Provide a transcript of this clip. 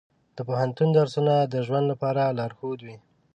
د پوهنتون درسونه د ژوند لپاره لارښود وي.